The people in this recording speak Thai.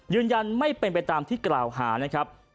ยืนยันไม่เป็นไปตามที่กล่าวหานะครับ